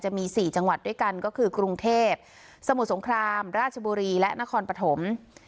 จะมี๔จังหวัดด้วยกันก็คือกรุงเทพสมุทรสงครามราชบุรีและนครปฐม